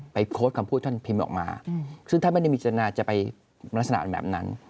โพสต์คำพูดท่านพิมพ์ออกมาซึ่งท่านไม่ได้มีจนาจะไปลักษณะแบบนั้น